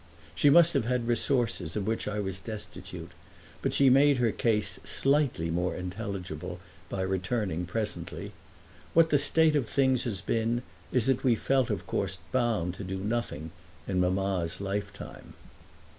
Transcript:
She must have had resources of which I was destitute, but she made her case slightly more intelligible by returning presently: "What the state of things has been is that we felt of course bound to do nothing in mamma's lifetime."